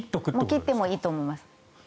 切ってもいいと思います。